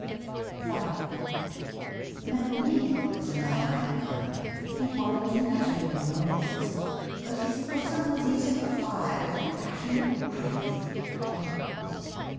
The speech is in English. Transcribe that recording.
86 MEN I MIGHT HAVE MARRIED McNsiLL was a man I admired, He'd won International laurels, But his bosom was easily fired With a passionate craving for quarrels.